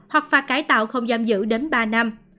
hoặc phạt cải tạo không giam giữ đến ba năm